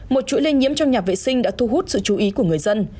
một chuỗi lây nhiễm trong nhà vệ sinh đã thu hút sự chú ý của người dân